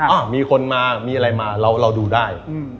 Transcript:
มีคนมามีอะไรมาเราดูได้